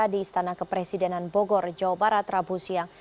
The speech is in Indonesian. di istana kepresidenan bogor jawa barat rabu siang